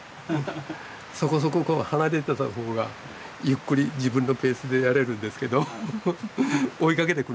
そこそここう離れてた方がゆっくり自分のペースでやれるんですけど追いかけてくるんです。